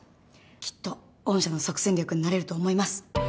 きっと御社の即戦力になれると思います。